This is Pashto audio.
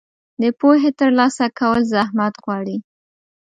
د پوهې ترلاسه کول زحمت غواړي.